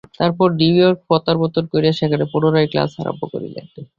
তারপর নিউ ইয়র্কে প্রত্যাবর্তন করিয়া সেখানে পুনরায় ক্লাস আরম্ভ করিলেন।